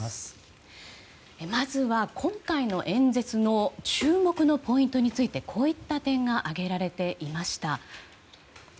まずは、今回の演説の注目のポイントについてこういった点が挙げられていました。